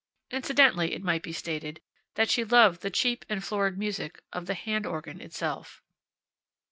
Incidentally it might be stated that she loved the cheap and florid music of the hand organ itself.